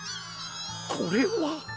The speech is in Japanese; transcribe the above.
これは！